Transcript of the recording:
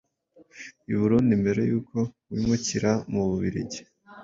i Burundi mbere yuko wimukira mu Bubiligi.